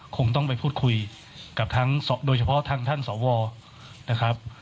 คงต้องไปพูดคุยกับทั้งโดยเฉพาะทางท่านสวนะครับ